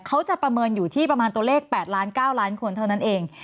เขาจะประเมินอยู่ที่ประมาณตัวเลข๘ล้าน๙ล้านคนเท่านั้นเอง